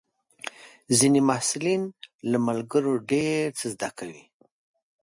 ځینې محصلین له ملګرو ډېر څه زده کوي.